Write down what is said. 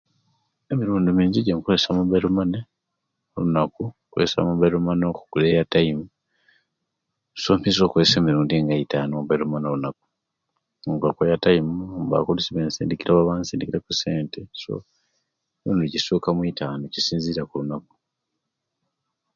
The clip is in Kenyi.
Emirundi mingi ejenkoyesya Mobile mane olunaku nkozesya mobile mane okugula airtime so mpiza okozesa emirundi eitanu olunaku ngulaku airtime nimbaku oluisi ejensindikira ku esente emirundi gisuka mwitanu kisinzira mulunaku